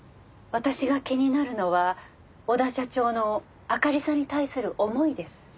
私が気になるのは小田社長のあかりさんに対する思いです。